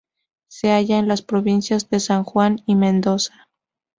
Se halla en las provincias de San Juan y Mendoza.